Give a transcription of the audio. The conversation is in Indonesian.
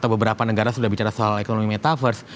beberapa negara sudah bicara soal ekonomi metaverse